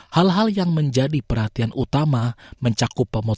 hal hal yang menjadi perhatian utama mencakup pemotongan